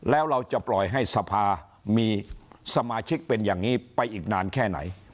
แล้วเราจะปล่อยให้สภามีสมาชิกเป็นอย่างนี้ไปอีกนานแค่ไหน